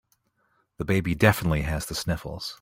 The baby definitely has the sniffles.